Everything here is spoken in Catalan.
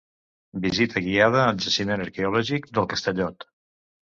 Visita guiada al Jaciment Arqueològic del Castellot.